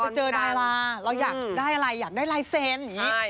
เจอดาราเราอยากได้อะไรอยากได้ลายเซ็นต์อย่างนี้